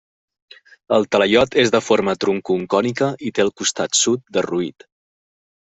El talaiot és de forma troncocònica i té el costat sud derruït.